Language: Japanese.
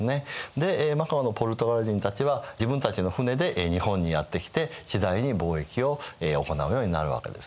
でマカオのポルトガル人たちは自分たちの船で日本にやって来て次第に貿易を行うようになるわけですね。